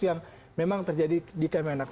yang memang terjadi di kemenak